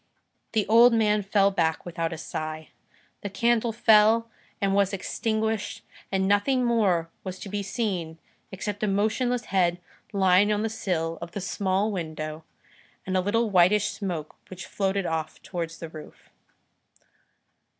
The old man fell back without a sigh. The candle fell and was extinguished, and nothing more was to be seen except a motionless head lying on the sill of the small window, and a little whitish smoke which floated off towards the roof.